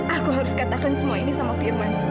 aku harus katakan semua ini sama firman